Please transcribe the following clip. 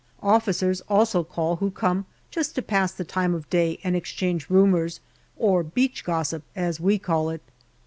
Officers also call who come just to pass the time of day and exchange rumours, or beach gossip as we call it.